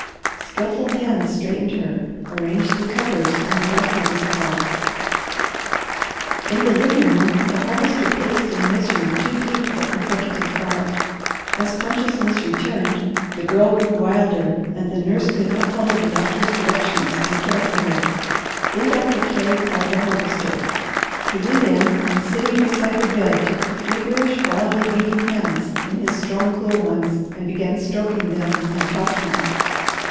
Skilful hands straightened her, arranged the covers, and the doctor was called. In the living room the Harvester paced in misery too deep for consecutive thought. As consciousness returned, the Girl grew wilder, and the nurse could not follow the doctor's directions and care for her. Then Doctor Carey called the Harvester. He went in and sitting beside the bed took the feverish, wildly beating hands in his strong, cool ones, and began stroking them and talking.